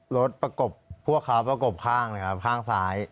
รถประกบพวกเขาประกบข้างค่ะข้างซ้าย